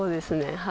はい。